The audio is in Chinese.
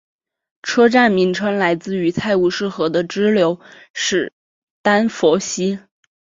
车站名称来自于泰晤士河的支流史丹佛溪。